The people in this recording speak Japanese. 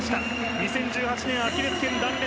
２０１８年、アキレスけん断裂。